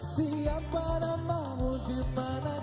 siapa namamu dimana